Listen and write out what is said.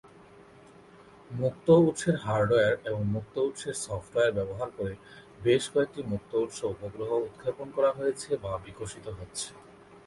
মুক্ত উৎসের হার্ডওয়্যার এবং মুক্ত উৎসের সফ্টওয়্যার ব্যবহার করে বেশ কয়েকটি মুক্ত উৎস উপগ্রহ উৎক্ষেপণ করা হয়েছে বা বিকশিত হচ্ছে।